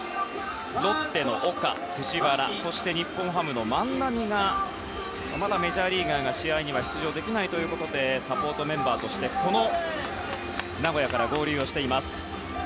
ロッテの岡、藤原日本ハムの万波がまだメジャーリーガーが試合に出場できないということでサポートメンバーとしてこの名古屋から合流しています。